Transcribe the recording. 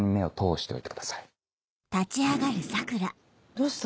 どうした？